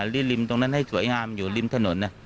ริมตรงนั้นให้สวยงามอยู่ริมถนน